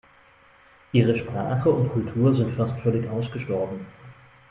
Ihre Sprache und Kultur sind fast völlig ausgestorben.